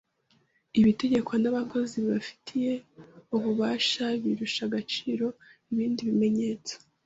Ibitegekwa n' abakozi babifitiye ububasha birusha agaciro ibindi bimenyetso